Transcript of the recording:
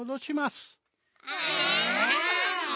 え！